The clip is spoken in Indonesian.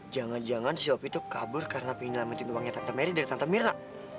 jangan jangan si op itu kabur karena pengen ngambil uangnya tante merry dari tante mirna